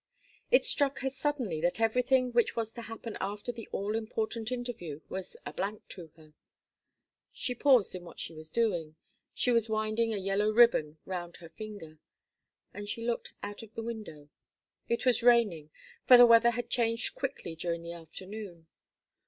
It struck her suddenly that everything which was to happen after the all important interview was a blank to her. She paused in what she was doing she was winding a yellow ribbon round her finger and she looked out of the window. It was raining, for the weather had changed quickly during the afternoon.